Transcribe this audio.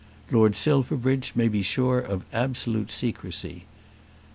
Lord Silverbridge may be sure of absolute secrecy.